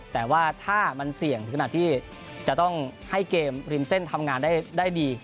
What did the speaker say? แต่ว่าถ้ามันเสี่ยงถึงขนาดที่จะต้องให้เกมริมเส้นทำงานได้ดี